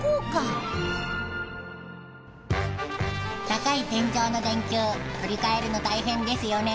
高い天井の電球取り替えるの大変ですよね。